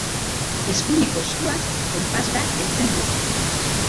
Eskuineko eskuaz konpas bat heltzen du.